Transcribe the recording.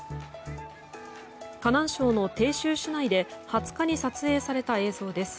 河南省の鄭州市内で２０日に撮影された映像です。